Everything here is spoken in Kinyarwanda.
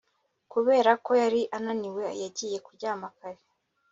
Kubera ko yari ananiwe yagiye kuryama kare